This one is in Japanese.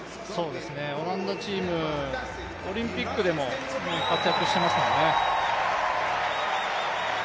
オランダチームオリンピックでも活躍してますからね。